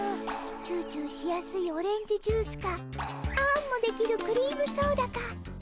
チューチューしやすいオレンジジュースかあんもできるクリームソーダか。